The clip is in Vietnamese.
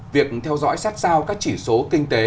việc theo dõi sát sao các chỉ số kinh tế